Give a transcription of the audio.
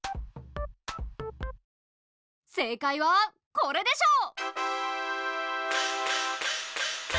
正解はこれでしょう。